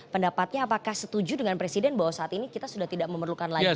pendapatnya apakah setuju dengan presiden bahwa saat ini kita sudah tidak memerlukan lagi